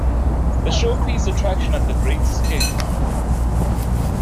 The showpiece attraction at The Great Escape is the Comet.